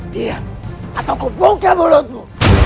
diam atau ku buka mulutmu